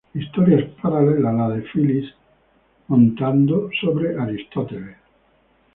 La historia es paralela a la de Phyllis montando sobre Aristóteles.